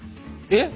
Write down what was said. えっ？